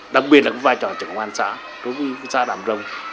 đặc biệt là vai trò trưởng công an xã đối với xã đạm rông